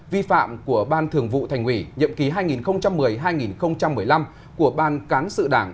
vi phạm của ban thường vụ thành ủy nhậm ký hai nghìn một mươi hai nghìn một mươi năm của ban cán sự đảng